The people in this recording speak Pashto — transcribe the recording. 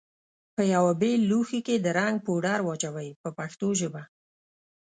په یوه بېل لوښي کې د رنګ پوډر واچوئ په پښتو ژبه.